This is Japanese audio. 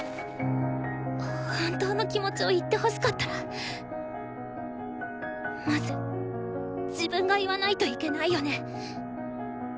本当の気持ちを言ってほしかったらまず自分が言わないといけないよね。